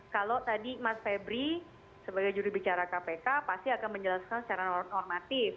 kalau tadi mas febri sebagai jurubicara kpk pasti akan menjelaskan secara normatif